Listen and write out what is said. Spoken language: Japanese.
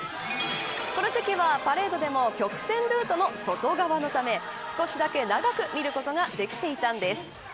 この席は、パレードでも曲線ルートの外側のため少しだけ長く見ることができていたんです。